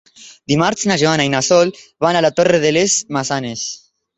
Dimarts na Joana i na Sol van a la Torre de les Maçanes.